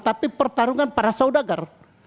tapi pertarungan para saudagar